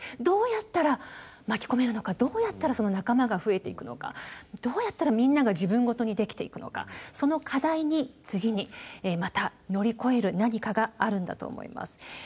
どうやったら巻き込めるのかどうやったらその仲間が増えていくのかどうやったらみんなが自分ごとにできていくのかその課題に次にまた乗り越える何かがあるんだと思います。